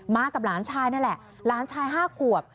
กับหลานชายนั่นแหละหลานชาย๕ขวบ